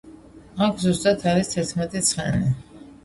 აქ ზუსტად არის თერთმეტი ცხენი.